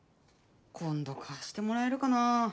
今度かしてもらえるかなぁ。